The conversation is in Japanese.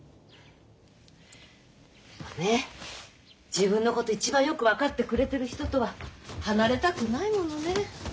自分のこと一番よく分かってくれてる人とは離れたくないものね。